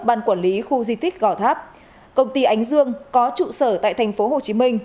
ban quản lý khu di tích gò tháp công ty ánh dương có trụ sở tại thành phố hồ chí minh